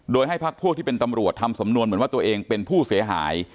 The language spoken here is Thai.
โดยให้พักพวกที่เป็นตำรวจทำสำนวนเหมือนว่าตัวเองเป็นผู้เสียหาย